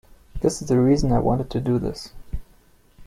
This is the reason I wanted to do this.